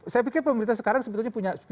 saya pikir pemerintah sekarang sebetulnya punya